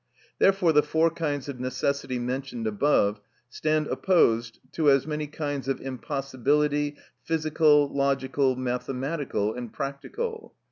Therefore the four kinds of necessity mentioned above stand opposed to as many kinds of impossibility, physical, logical, mathematical and practical.